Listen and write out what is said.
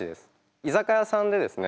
居酒屋さんでですね